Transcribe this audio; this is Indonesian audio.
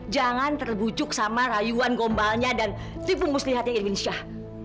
jangan terbucuk sama rayuan gombalnya dan tipu muslihatnya irwin shah